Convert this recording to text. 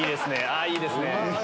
あいいですね。